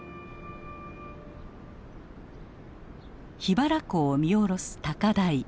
桧原湖を見下ろす高台。